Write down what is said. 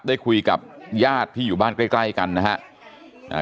ได้คุยกับญาติที่อยู่บ้านใกล้ใกล้กันนะฮะ